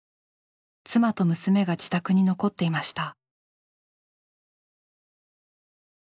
妻と娘が自宅に残っていました。